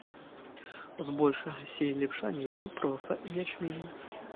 Збольшага сеялі пшаніцу, проса і ячмень.